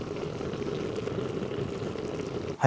はい。